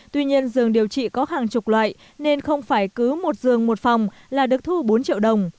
tuy nhiên dương điều trị có hàng chục loại nên không phải cứ một dương một phòng là được thu bốn triệu đồng